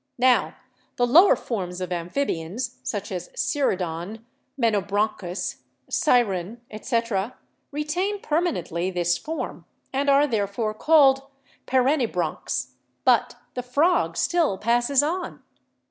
Now, the lower forms of amphibians, such as siredon, menobranchus, siren, etc., retain permanently this form, and are therefore called 'perennibranchs,' but the frog still passes on.